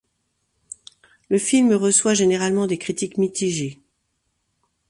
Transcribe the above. Le film reçoit généralement des critiques mitigés.